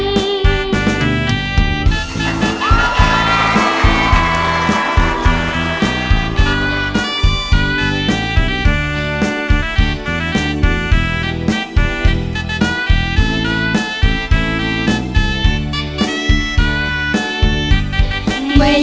เหมือนรักกับผู้โฆษี